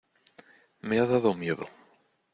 me ha dado miedo.